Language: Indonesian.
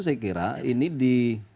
saya kira ini di